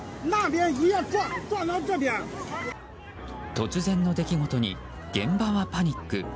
突然の出来事に現場はパニック。